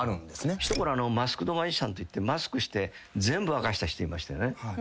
ひと頃マスクマジシャンといってマスクして全部明かした人いましたよね。